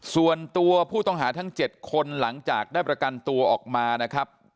ส่วนตัวผู้ต้องหาทั้ง๗คนหลังจากได้ประกันตัวออกมานะครับ